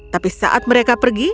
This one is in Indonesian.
tapi saat mereka pergi